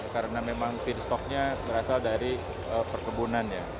karena memang feedstocknya berasal dari perkebunan ya